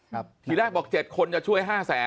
คือที่แรกบอก๗คนจะช่วย๕๐๐๐๐๐